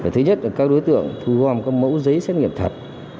thứ nhất là các đối tượng thu gom các mẫu giấy xét nghiệm thật